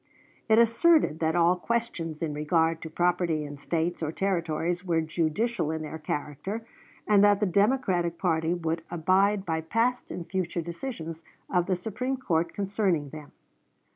It asserted that all questions in regard to property in States or Territories were judicial in their character, and that the Democratic party would abide by past and future decisions of the Supreme Court concerning them.